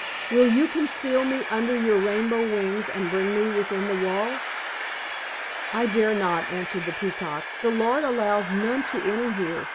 Will you conceal me under your rainbow wings and bring me within the walls?" "I dare not," answered the Peacock. "The Lord allows none to enter here.